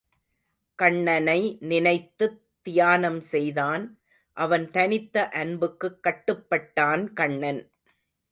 கண்ணனை நினைத்துத் தியானம் செய்தான், அவன் தனித்த அன்புக்குக் கட்டுப்பட்டான் கண்ணன்.